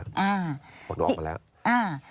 ออกดูออกไปแล้ว